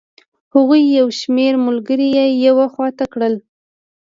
هغوی یو شمېر ملګري یې یوې خوا ته کړل.